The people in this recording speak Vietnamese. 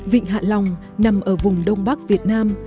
vịnh hạ long nằm ở vùng đông bắc việt nam